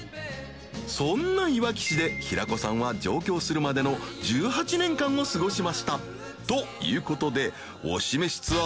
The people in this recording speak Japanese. そんないわき市で浸劼気鵑上京するまでの１８年間を過ごしましたということで推しメシツアー」